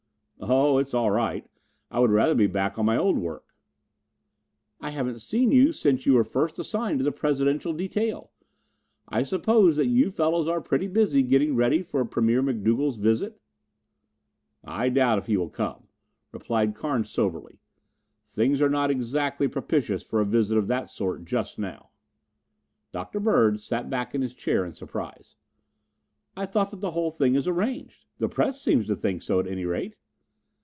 "Oh, it's all right. I would rather be back on my old work." "I haven't seen you since you were assigned to the Presidential detail. I suppose that you fellows are pretty busy getting ready for Premier McDougal's visit?" "I doubt if he will come," replied Carnes soberly. "Things are not exactly propitious for a visit of that sort just now." Dr. Bird sat back in his chair in surprise. "I thought that the whole thing is arranged. The press seems to think so, at any rate."